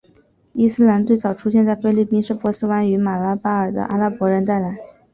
伊斯兰最早出现在菲律宾是波斯湾与马拉巴尔的阿拉伯人带来。